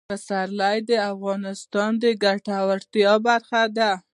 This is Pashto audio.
پسرلی د افغانانو د ګټورتیا برخه ده.